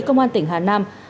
công an tỉnh hà nam